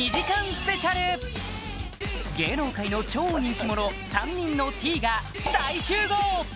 スペシャル芸能界の超人気者３人の「Ｔ」が大集合！